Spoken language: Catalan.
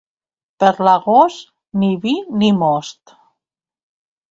Per l'agost, ni vi ni most.